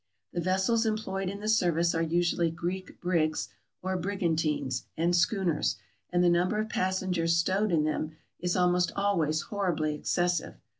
The ves sels employed in the service are usually Greek brigs or brigantines, and schooners, and the number of passengers stowed in them is almost always horribly excessive.